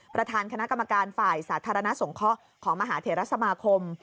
ประธานคณะกรรมการฝ่ายสาธารณสงเคราะห์ของมหาเทรสมาคม